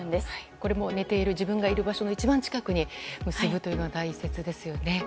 これも寝ている自分がいる場所の一番近くに結ぶのが大切ですよね。